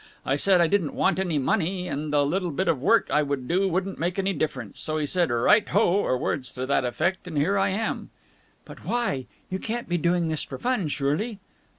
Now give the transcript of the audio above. I said I didn't want any money, and the little bit of work I would do wouldn't make any difference, so he said 'Right ho!' or words to that effect, and here I am." "But why? You can't be doing this for fun, surely?"